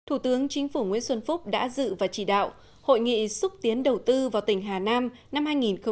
thủ tướng chính phủ nguyễn xuân phúc đã dự và chỉ đạo hội nghị xúc tiến đầu tư vào tỉnh hà nam năm hai nghìn một mươi chín